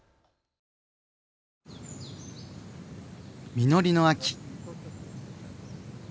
実りの秋。